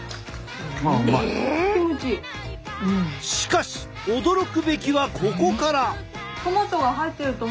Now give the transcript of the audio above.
しかし驚くべきはここから！